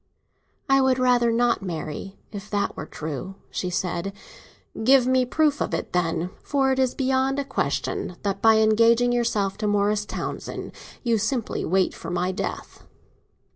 "I would rather not marry, if that were true," she said. "Give me a proof of it, then; for it is beyond a question that by engaging yourself to Morris Townsend you simply wait for my death."